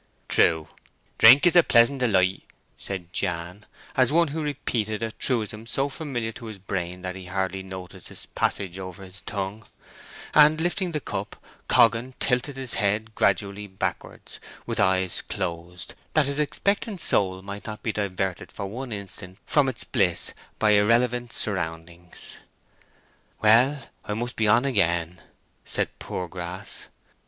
"True, drink is a pleasant delight," said Jan, as one who repeated a truism so familiar to his brain that he hardly noticed its passage over his tongue; and, lifting the cup, Coggan tilted his head gradually backwards, with closed eyes, that his expectant soul might not be diverted for one instant from its bliss by irrelevant surroundings. "Well, I must be on again," said Poorgrass.